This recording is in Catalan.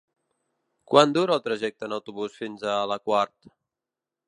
Quant dura el trajecte en autobús fins a la Quar?